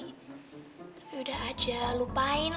tapi udah aja lupain